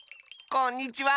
こんにちは！